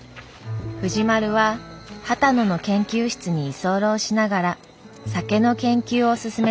藤丸は波多野の研究室に居候しながら酒の研究を進めていました。